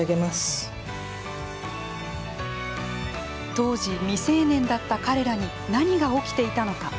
当時、未成年だった彼らに何が起きていたのか。